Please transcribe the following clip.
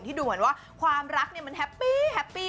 ดูเหมือนว่าความรักเนี่ยมันแฮปปี้แฮปปี้